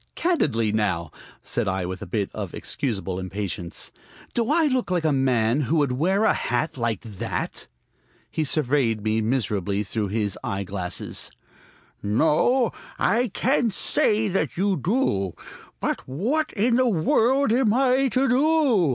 "Candidly, now," said I with a bit of excusable impatience, "do I look like a man who would wear a hat like that?" He surveyed me miserably through his eye glasses. "No, I can't say that you do. But what in the world am I to do?"